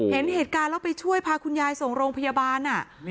เห็นเหตุการณ์แล้วไปช่วยพาคุณยายส่งโรงพยาบาล